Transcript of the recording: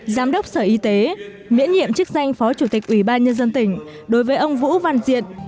giám đốc sở y tế miễn nhiệm chức danh phó chủ tịch ubnd đối với ông vũ văn diệt